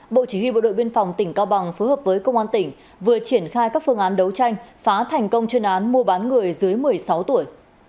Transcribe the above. bộ chỉ huy bộ đội biên phòng tỉnh cao bằng phối hợp với công an tỉnh vừa triển khai các phương án đấu tranh phá thành công chuyên án mua bán người dưới một mươi sáu tuổi